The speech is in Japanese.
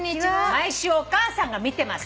毎週お母さんが見てます」